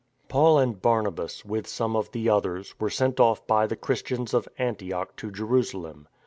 Paul and Barnabas, with some of the others, were sent off by the Christians of Antioch to Jeru salem.